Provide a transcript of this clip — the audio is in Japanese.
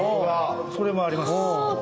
それもあります。